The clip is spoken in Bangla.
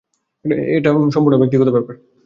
এটা সম্পূর্ণ ব্যক্তিগত ব্যাপার।